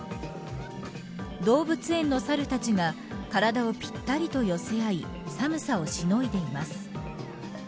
動物園のサルたちが体をぴったりと寄せ合い寒さをしのいでいます。